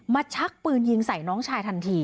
ชักปืนยิงใส่น้องชายทันที